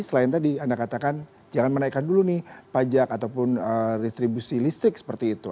selain tadi anda katakan jangan menaikkan dulu nih pajak ataupun retribusi listrik seperti itu